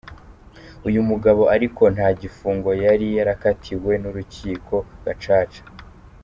Uyu mugabo ariko nta gifungo yari yakatiwe n'uru rukiko Gacaca.